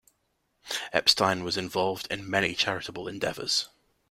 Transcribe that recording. Epstein was involved in many charitable endeavors.